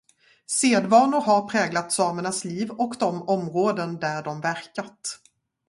Sedvanor har präglat samernas liv och de områden där de verkat.